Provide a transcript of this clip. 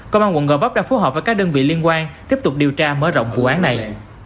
công an quận gò vấp đang phối hợp với các đơn vị liên quan tiếp tục điều tra mở rộng vụ án này